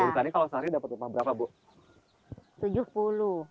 guru tani kalau sehari dapat berapa bu